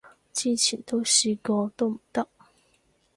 之前都試過都唔得